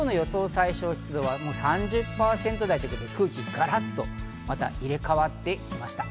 最小湿度は３０％台ということで空気が、がらっと入れ替わってきました。